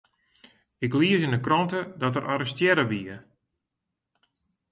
Ik lies yn 'e krante dat er arrestearre wie.